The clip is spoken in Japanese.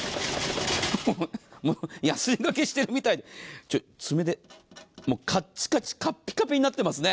やすりがけしてるみたい、爪でカッチカチ、カッピカピになっていますね。